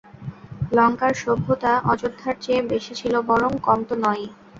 লঙ্কার সভ্যতা অযোধ্যার চেয়ে বেশী ছিল বরং, কম তো নয়ই।